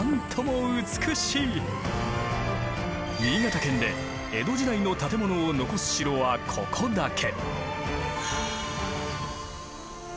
新潟県で江戸時代の建物を残す城はここだけ。